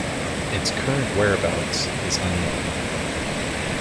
Its current whereabouts is unknown.